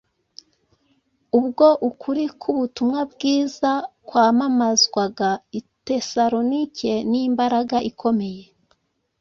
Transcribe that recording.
Ubwo ukuri k’ubutumwa bwiza kwamamazwaga i Tesalonike n’imbaraga ikomeye,